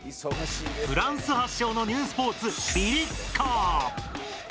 フランス発祥のニュースポーツビリッカー。